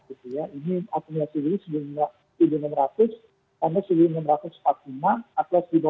ini akunnya sendiri tujuh ribu enam ratus sampai tujuh ribu enam ratus empat puluh lima